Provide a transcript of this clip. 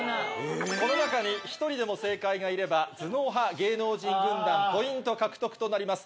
この中に１人でも正解がいれば頭脳派芸能人軍団ポイント獲得となります。